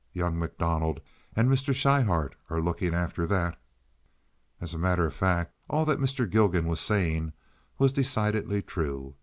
Young MacDonald and Mr. Schryhart are looking after that." As a matter of fact, all that Mr. Gilgan was saying was decidedly true.